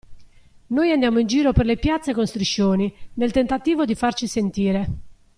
Noi andiamo in giro per le piazze con striscioni nel tentativo di farci sentire.